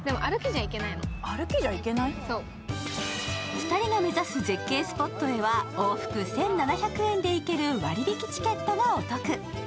２人が目指す絶景スポットへは往復１７００円で行ける割引チケットがお得。